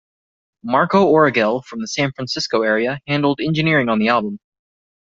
Marco Origel, from the San Francisco area, handled engineering on the album.